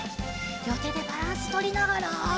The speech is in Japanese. りょうてでバランスとりながら。